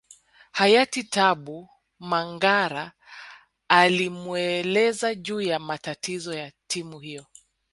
Hayati Tabu Mangara alimueleza juu ya matatizo ya timu hiyo